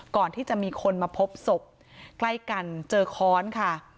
ก่อนที่จะมีคนมาพบศพใกล้กันเจอค้อนค่ะ